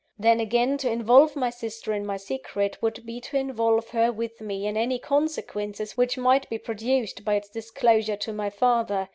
Then again, to involve my sister in my secret, would be to involve her with me in any consequences which might be produced by its disclosure to my father.